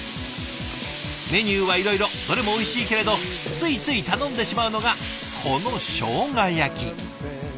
メニューはいろいろどれもおいしいけれどついつい頼んでしまうのがこのしょうが焼き。